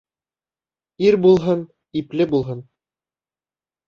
Ир булһын, ипле булһын.